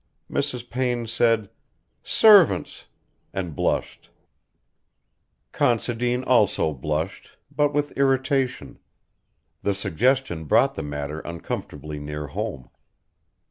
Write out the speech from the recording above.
Mrs. Payne said, "Servants," and blushed. Considine also blushed, but with irritation. The suggestion brought the matter uncomfortably near home.